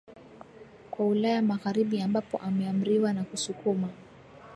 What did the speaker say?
kwa Ulaya Magharibi ambapo ameamriwa na kusukuma